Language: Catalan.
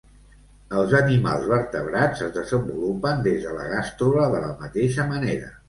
Els animals vertebrats es desenvolupen des de la gàstrula de la mateixa manera.